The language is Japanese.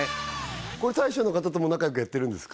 これ大将の方とも仲良くやってるんですか？